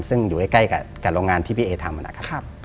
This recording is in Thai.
ซึ่งอยู่ใกล้กับโรงงานที่พี่เอทำนะครับ